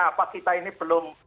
apa kita ini belum